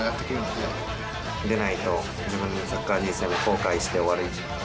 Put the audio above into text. でないと自分のサッカー人生を後悔して終わる。